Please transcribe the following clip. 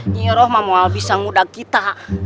nihiru mah mau abis sang udang kita